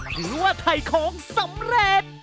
ถือว่าถ่ายของสำเร็จ